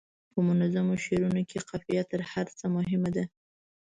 په منظومو شعرونو کې قافیه تر هر څه مهمه ده.